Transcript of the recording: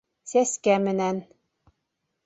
Сәскә менән.